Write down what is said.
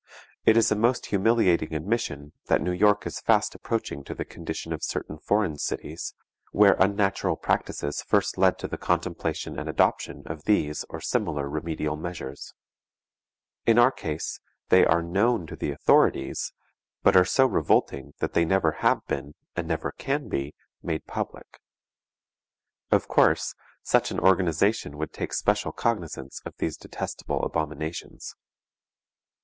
It is a most humiliating admission, that New York is fast approaching to the condition of certain foreign cities, where unnatural practices first led to the contemplation and adoption of these or similar remedial measures. In our case, they are known to the authorities, but are so revolting that they never have been, and never can be, made public. Of course, such an organization would take special cognizance of these detestable abominations.